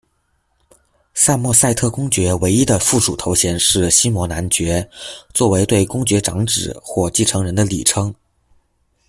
萨默塞特公爵唯一的附属头衔是西摩男爵，作为对公爵长子或继承人的礼称。